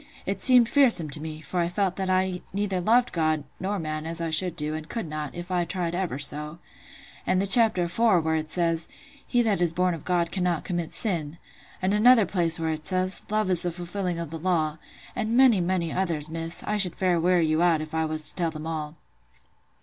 It seemed fearsome to me; for I felt that I loved neither God nor man as I should do, and could not, if I tried ever so. And th' chapter afore, where it says,—'He that is born of God cannot commit sin.' And another place where it says,—'Love is the fulfilling of the Law.' And many, many others, Miss: I should fair weary you out, if I was to tell them all.